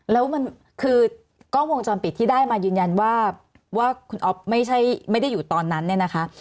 แล้วมันคือกล้องวงจรปิดที่ได้มายืนยันว่าว่าคุณอ๊อฟไม่ได้อยู่ตอนนั้นเนี่ยนะคะ